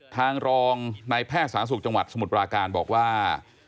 ทางรองนายแพทย์สาธารณสุขจังหวัดสมุทรปราการบอกว่า